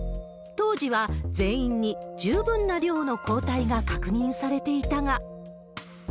当時は全員に十分な量の抗体が確認されていたが。